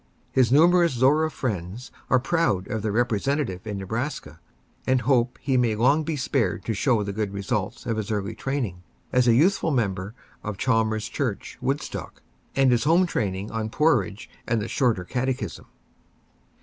His numerous Zorra friends are proud of their representative in Nebraska, and hope he may long be spared to show the good results of his early training as a youthful member of Chalmers Church, Woodstock, and his home training on porridge and the Shorter Catechism.